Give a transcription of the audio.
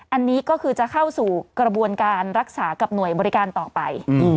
อันนี้ก็คือจะเข้าสู่กระบวนการรักษากับหน่วยบริการต่อไป